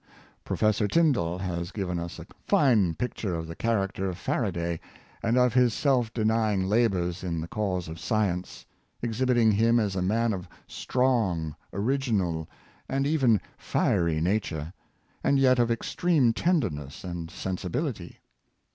Professor Tyndall has given us a fine picture of the character of Faraday, and of his self denying labors in the cause of science — 480 Insta7ices of Self deniaL exhibiting him as a man of strong, original, and even fiery nature, and yet of extreme tenderness and sensi biHty.